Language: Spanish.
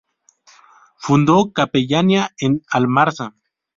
Fundó capellanía en Almarza.